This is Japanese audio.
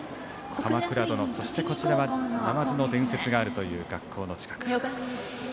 「鎌倉殿」、そしてなまずの伝説があるという学校の近く。